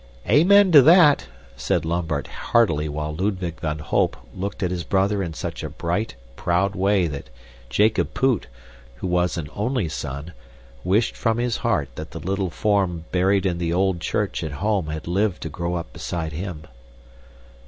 "Amen to that!" said Lambert heartily while Ludwig van Holp looked at his brother in such a bright, proud way that Jacob Poot, who was an only son, wished from his heart that the little form buried in the old church at home had lived to grow up beside him.